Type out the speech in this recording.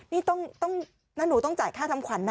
นี่ต้องนางหนูต้องจ่ายค่าทำขวัญ